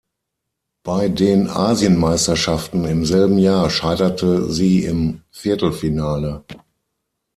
Bei den Asienmeisterschaften im selben Jahr scheiterte sie im Viertelfinale.